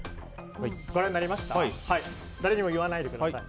誰にも言わないでください。